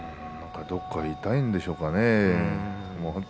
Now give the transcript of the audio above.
どこか痛いんですかね。